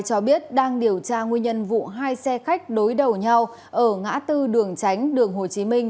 cho biết đang điều tra nguyên nhân vụ hai xe khách đối đầu nhau ở ngã tư đường tránh đường hồ chí minh